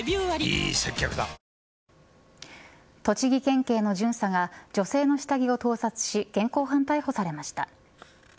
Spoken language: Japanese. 栃木県警の巡査が女性の下着を盗撮し現行犯逮捕されました。